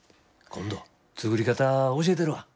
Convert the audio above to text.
今度作り方教えたるわ。